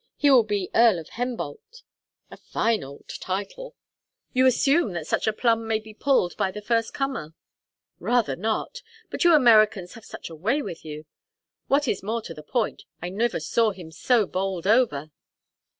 He will be Earl of Hembolt a fine old title." "You assume that such a plum may be pulled by the first comer." "Rather not! But you Americans have such a way with you! What is more to the point, I never saw him so bowled over."